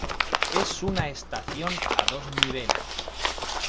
Es una estación a dos niveles.